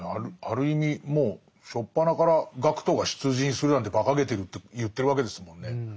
ある意味もう初っぱなから学徒が出陣するなんてばかげてるって言ってるわけですもんね。